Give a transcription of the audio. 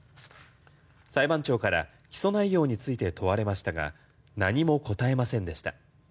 裁判長から起訴内容について問われましたが何も答えませんでした。